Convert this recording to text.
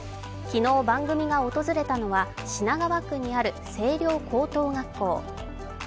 昨日、番組が訪れたのは品川区にある青稜高等学校。